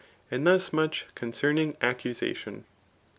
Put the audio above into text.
And thus much concerning accusation.